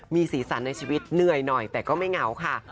มีสีสันในชีวิตเหนื่อยหน่อยแต่ก็ไม่เหงาค่ะ